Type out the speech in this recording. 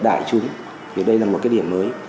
đại chúng thì đây là một cái điểm mới